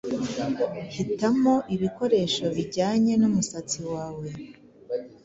Hitamo ibikoresho bijyanye n’umusatsi wawe